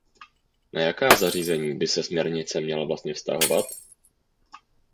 Na jaká zařízení by se směrnice měla vlastně vztahovat?